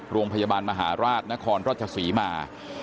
โรงพยาบาลมหาราชนครราชศรีมา